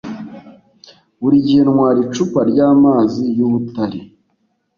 Buri gihe ntwara icupa ryamazi yubutare